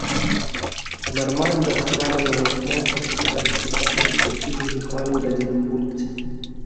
Нармаль да хвалевага фронта супадае з кірункам распаўсюджвання хвалі ў дадзеным пункце.